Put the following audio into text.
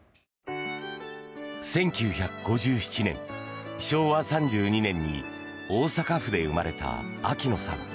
１９５７年、昭和３２年に大阪府で生まれた秋野さん。